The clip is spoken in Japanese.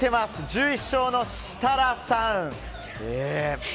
１１勝の設楽さん。